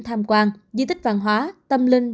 tham quan di tích văn hóa tâm linh